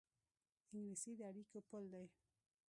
انګلیسي د اړیکو پُل دی